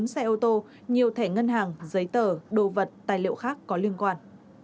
bốn xe ô tô nhiều thẻ ngân hàng giấy tờ đồ vật tài liệu khác có liên quan